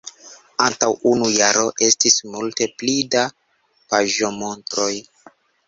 antaŭ unu jaro estis multe pli da paĝomontroj.